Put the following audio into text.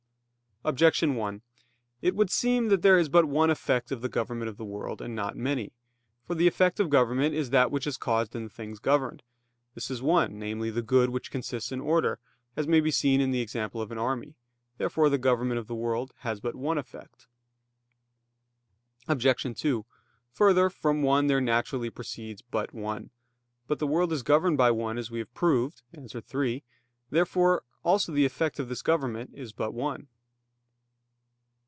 Objection 1: It would seem that there is but one effect of the government of the world and not many. For the effect of government is that which is caused in the things governed. This is one, namely, the good which consists in order; as may be seen in the example of an army. Therefore the government of the world has but one effect. Obj. 2: Further, from one there naturally proceeds but one. But the world is governed by one as we have proved (A. 3). Therefore also the effect of this government is but one.